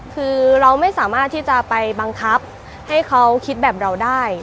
คือเราไม่สามารถที่จะไปบังคับให้เขาคิดแบบเราได้